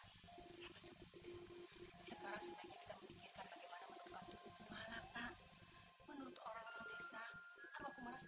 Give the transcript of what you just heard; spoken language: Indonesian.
menurut orang orang desa